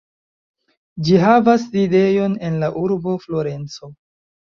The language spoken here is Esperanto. Ĝi havas sidejon en la urbo Florenco.